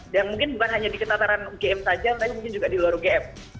dan mungkin bukan hanya di ketataran ugm saja tapi mungkin juga di luar ugm